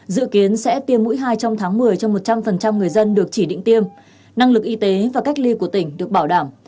dự kiến sẽ tiêm mũi hai trong tháng một mươi cho một trăm linh người dân được chỉ định tiêm năng lực y tế và cách ly của tỉnh được bảo đảm